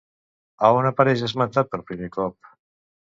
A on apareix esmentat per primer cop?